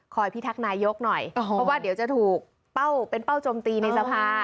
พิทักษ์นายกหน่อยเพราะว่าเดี๋ยวจะถูกเป็นเป้าจมตีในสภา